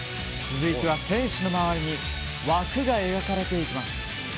続いては選手の周りに枠が描かれていきます。